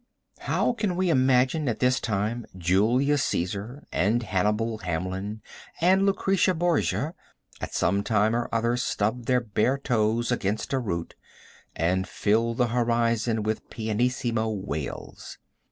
How can we imagine at this time Julius Caesar and Hannibal Hamlin and Lucretia Borgia at some time or other stubbed their bare toes against a root and filled the horizon with pianissimo wails.